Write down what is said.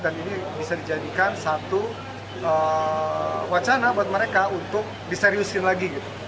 dan ini bisa dijadikan satu wacana buat mereka untuk diseriusin lagi gitu